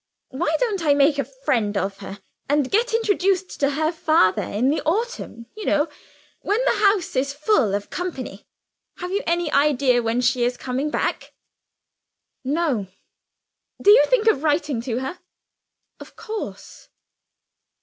Why shouldn't I make a friend of her, and get introduced to her father in the autumn, you know, when the house is full of company? Have you any idea when she is coming back?" "No." "Do you think of writing to her?" "Of course!"